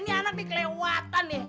ini anak nih kelewatan nih